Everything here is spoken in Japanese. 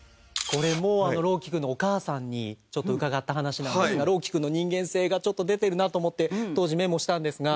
これも朗希君のお母さんにちょっと伺った話なんですが朗希君の人間性がちょっと出てるなと思って当時メモしたんですが。